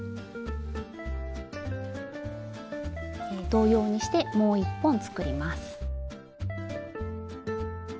同様にしてもう一本作ります。